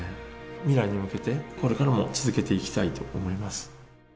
未来に向けて、これからも続けていきたいと思います。